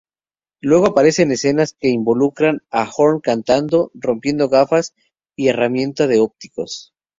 Luego aparecen escenas que involucran a Horn cantando, rompiendo gafas y herramientas de ópticos.